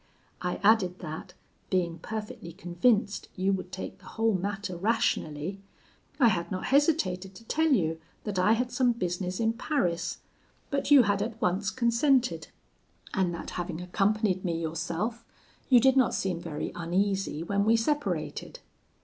I added that, being perfectly convinced you would take the whole matter rationally, I had not hesitated to tell you that I had some business in Paris; but you had at once consented, and that having accompanied me yourself, you did not seem very uneasy when we separated.